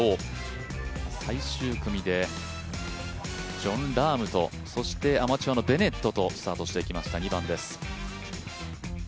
最終組でジョン・ラームと、アマチュアのベネットとプレーしていきました、２番です。